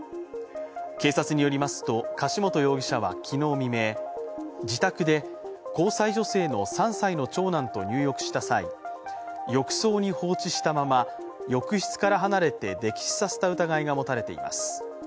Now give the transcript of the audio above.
警察によりますと、柏本容疑者は昨日未明、自宅で交際女性の３歳の長男と入浴した際、浴槽に放置したまま浴室から離れて溺死させた疑いが持たれています。